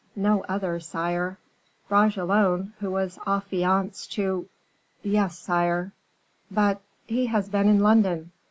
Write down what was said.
"No other, sire." "Bragelonne, who was affianced to " "Yes, sire." "But he has been in London."